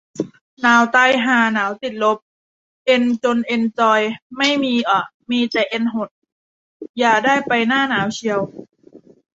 หนาวตายห่า หนาวติดลบ เอ็นจงเอ็นจอยไม่มีอะ มีแต่เอ็นหด อย่าได้ไปหน้าหนาวเชียว